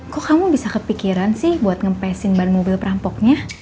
kok kamu bisa kepikiran sih buat ngepesin ban mobil perampoknya